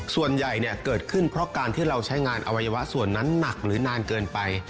ส่วนใหญ่เกิดขึ้นเพราะการที่เราใช้งานอวัยวะส่วนนั้นหนักหรือนานเกินไป